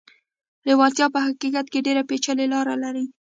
لېوالتیا په حقيقت کې ډېرې پېچلې لارې لري.